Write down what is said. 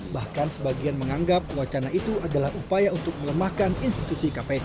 bahkan sebagian menganggap wacana itu adalah upaya untuk melemahkan institusi kpk